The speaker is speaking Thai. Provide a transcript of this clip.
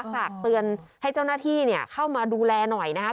ฝากเตือนให้เจ้าหน้าที่เข้ามาดูแลหน่อยนะครับ